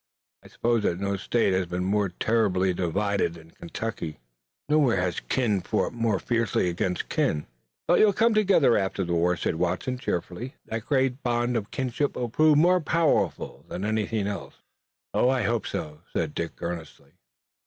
"I suppose that no state has been more terribly divided than Kentucky. Nowhere has kin fought more fiercely against kin." "But you'll come together again after the war," said Watson cheerfully. "That great bond of kinship will prove more powerful than anything else." "I hope so," said Dick earnestly.